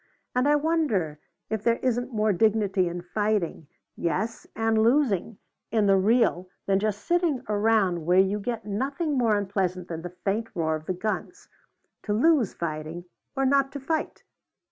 "And I wonder if there isn't more dignity in fighting yes, and losing in the real, than just sitting around where you get nothing more unpleasant than the faint roar of the guns. To lose fighting or not to fight!